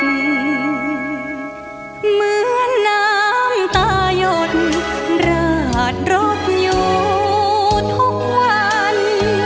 เหมือนน้ำตายนราดรถอยู่ทุกวัน